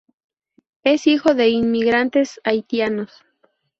Es hijo de inmigrantes haitianos.